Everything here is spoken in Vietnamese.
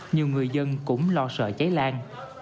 nhiều người dân cũng lo sợ cháy lan